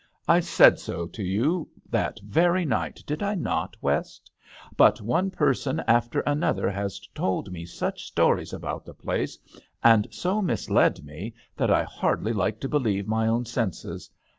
I said so to you that very night, did I not, West ? But one person after another has told me such stories about the place, and so misled 48 THE HdXEL D*ANGLET£RRE. me, that I hardly liked to believe my own senses.